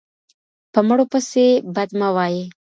په مړو پسې بد مه وایئ.